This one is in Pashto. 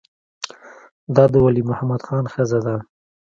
دا د ولی محمد خان ښځه ده.